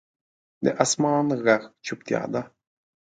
د اسمان ږغ چوپتیا ده.